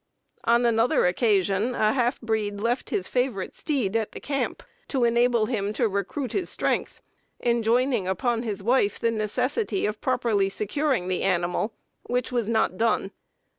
On another occasion a half breed left his favorite steed at the camp, to enable him to recruit his strength, enjoining upon his wife the necessity of properly securing the animal, which was not done.